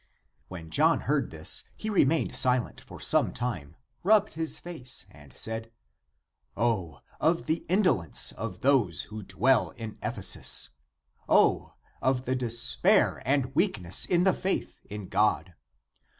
When John had heard it, he remained silent for some time, rubbed his face, and said, " O, of the indolence of those who dwell in Ephesus ! O, of the despair and weakness (in the faith) in God!